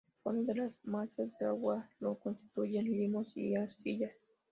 El fondo de las masas de agua lo constituyen limos y arcillas.